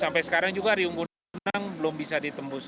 sampai sekarang juga riung gunung belum bisa ditembus